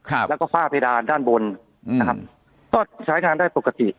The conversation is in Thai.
ครับแล้วก็ฝ้าเพดานด้านบนอืมนะครับก็ใช้งานได้ปกติ